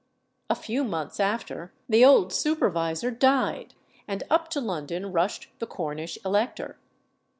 A few months after the old supervisor died, and up to London rushed the Cornish elector.